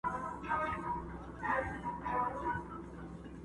o وږي ته ماښام ليري دئ٫